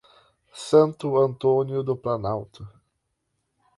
Santo Antônio do Planalto